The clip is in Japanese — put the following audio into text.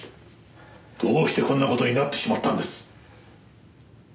どうしてこんな事になってしまったんです？